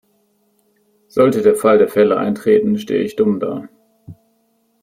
Sollte der Fall der Fälle eintreten, stehe ich dumm da.